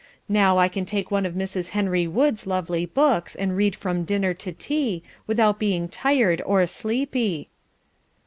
Now, I can take one of Mrs. Henry Wood's lovely books and read from dinner to tea, without being tired or sleepy."